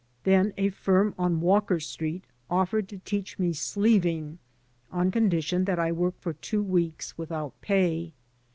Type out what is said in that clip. Then a firm on Walker Street offered to teach me sleeving, on condition that I work for two weeks without pay.